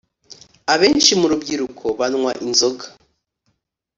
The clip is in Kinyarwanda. Abenshi mu rubyiruko banywa inzoga